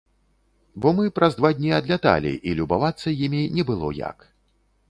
Бо мы праз два дні адляталі і любавацца імі не было як.